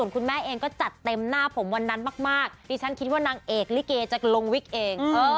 คุณแม่เองก็จัดเต็มหน้าผมวันนั้นมากดิฉันคิดว่านางเอกลิเกจะลงวิกเอง